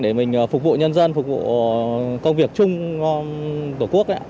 để mình phục vụ nhân dân phục vụ công việc chung tổ quốc